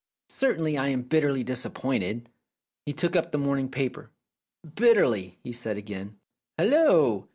Certainly I am bitterly disap pointed." He took up the morning paper. "Bitterly!" he said again. "Hallo!